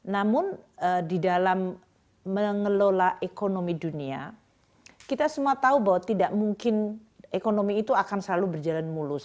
namun di dalam mengelola ekonomi dunia kita semua tahu bahwa tidak mungkin ekonomi itu akan selalu berjalan mulus